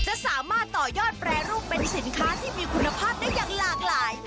จะสามารถต่อยอดแปรรูปเป็นสินค้าที่มีคุณภาพได้อย่างหลากหลาย